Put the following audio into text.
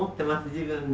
自分で。